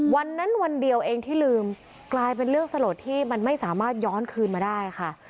วันนั้นวันเดียวเองที่ลืมกลายเป็นเรื่องสลดที่มันไม่สามารถย้อนคืนมาได้ค่ะ